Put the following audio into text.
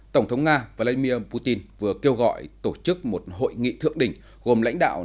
tổng thống nga vladimir putin vừa kêu gọi tổ chức một hội nghị thượng đỉnh gồm lãnh đạo